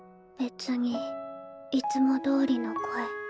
別にいつもどおりの声。